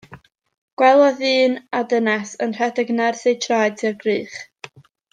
Gwelodd ddyn a dynes yn rhedeg nerth eu traed tua'r gwrych.